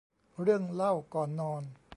เรื่องเล่าก่อนนอน